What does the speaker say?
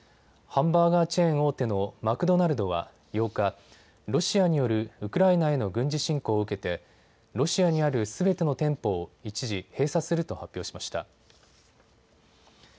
ハンバーガーチェーン大手のマクドナルドは８日、ロシアによるウクライナへの軍事侵攻を受けてロシアにあるすべての店舗を一時閉鎖すると発表しました。